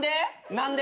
何で？